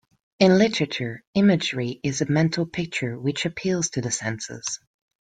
In literature, imagery is a "mental picture" which appeals to the senses.